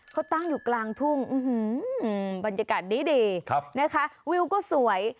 เขาตั้งอยู่กลางทุ่งบรรยากาศดีนะคะวิวก็สวย